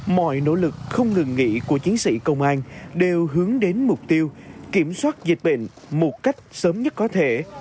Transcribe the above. mọi nỗ lực không ngừng nghỉ của chiến sĩ công an đều hướng đến mục tiêu kiểm soát dịch bệnh một cách sớm nhất có thể